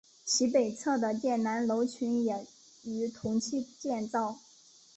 其北侧的建南楼群也于同期建造。